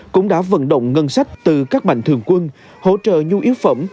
cũng đã vận động ngân sách từ các mạnh thường quân hỗ trợ nhu yếu phẩm